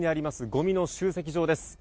ごみの集積場です。